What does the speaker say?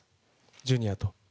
ジュニアと。